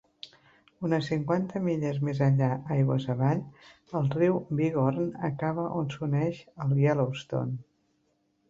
Unes cinquanta milles més enllà aigües avall, el riu Bighorn acaba on s'uneix al Yellowstone.